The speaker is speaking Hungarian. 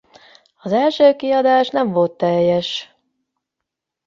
Az első kiadás nem volt teljes.